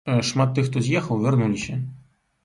Шмат тых, хто з'ехаў, вярнуліся.